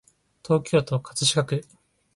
東京都葛飾区